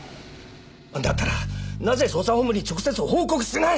だったらなぜ捜査本部に直接報告しない？